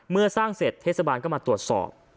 เมื่อสร้างเสร็จเทศบาลก็มาตรวจสอบ